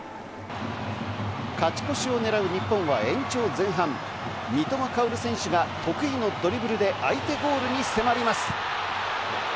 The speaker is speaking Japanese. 勝ち越しをねらう日本は延長前半、三笘薫選手が得意のドリブルで相手ゴールに迫ります。